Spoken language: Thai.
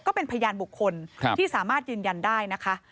ก็เป็นพยานบุคคลที่สามารถยืนยันได้นะคะ